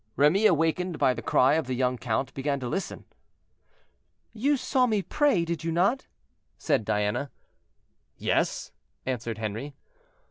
Remy, awakened by the cry of the young count, began to listen. "You saw me pray, did you not?" said Diana. "Yes," answered Henri.